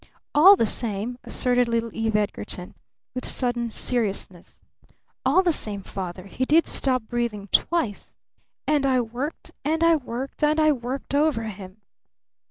"All the same," asserted little Eve Edgarton with sudden seriousness "all the same, Father, he did stop breathing twice. And I worked and I worked and I worked over him!"